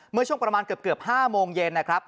เมื่อช่วงประมาณเกือบ๕โมงเย็นนะครับ